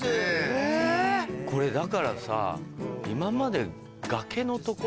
これだからさ。